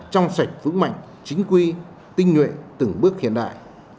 trong sạch vững mạnh chính quy tinh nhuệ từng bước hiện đại